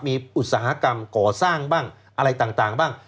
มีอุตสาหกรรมก่อสร้างบ้างอะไรต่างบ้าง